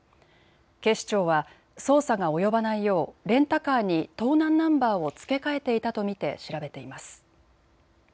警視庁は捜査が及ばないようレンタカーに盗難ナンバーを付け替えていたと見て調べています。